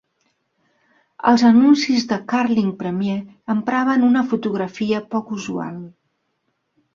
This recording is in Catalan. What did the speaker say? Els anuncis de Carling Premier empraven una fotografia poc usual.